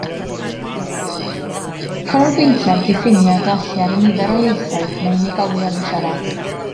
Canolbwyntia'r diffiniad o allu ar y nifer o ieithoedd mae unigolion yn siarad.